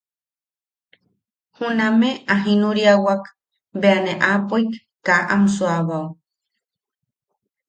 Juname a jinuriawak bea ne aapoik, kaa am suuabao.